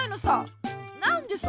なんでさ！